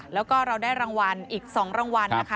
แล้วก็เราได้รางวัลอีก๒รางวัลนะคะ